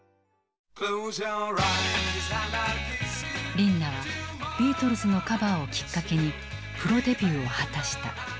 リンナはビートルズのカバーをきっかけにプロデビューを果たした。